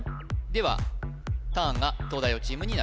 ではターンが東大王チームになります